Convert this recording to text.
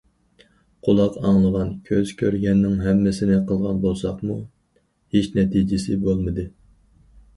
قۇلاق ئاڭلىغان، كۆز كۆرگەننىڭ ھەممىسىنى قىلغان بولساقمۇ ھېچ نەتىجىسى بولمىدى.